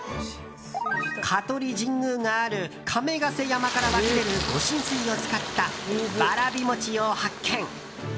香取神宮がある亀甲山から湧き出る御神水を使った、わらび餅を発見。